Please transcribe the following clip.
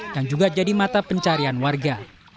dan juga jadi mata pencarian warga